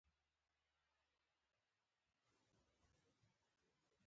جرمنۍ ژبه راته په پښتو وژباړه